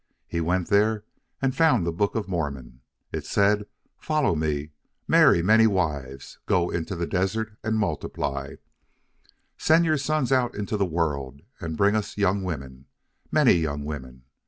He went there and found the Book of Mormon. It said follow me, marry many wives, go into the desert and multiply, send your sons out into the world and bring us young women, many young women.